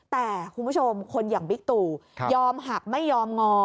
แต่คุณผู้ชมคนอย่างบิ๊กตู่ยอมหักไม่ยอมงอ